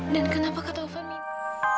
dan kenapa kak taufan mimpi